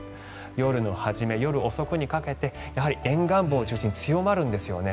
夜の始め、夜遅くにかけてやはり沿岸部を中心に強まるんですよね。